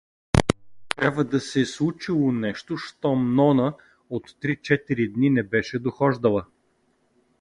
Трябва да се е случило нещо, щом Нона от три–четири дни не беше дохождала.